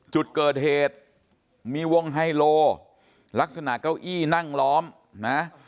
จุดเกิดเหตุมีวงไฮโลลักษณะเก้าอี้นั่งล้อมนะ